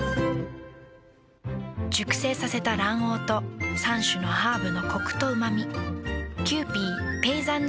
熟成させた卵黄と３種のハーブのコクとうま味。